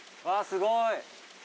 あすごい。